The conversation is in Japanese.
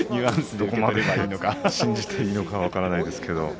どこまで信じていいのか分からないですけれどね。